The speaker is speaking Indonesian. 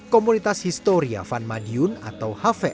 komunitas historia van madiun atau hv